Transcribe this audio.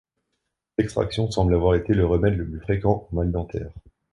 L'extraction semble avoir été le remède le plus fréquent au mal dentaire.